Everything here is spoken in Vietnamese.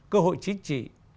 cơ hội chính trị